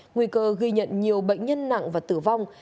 nguy cơ ghi nhận nhiều bệnh nhân nặng và tử vong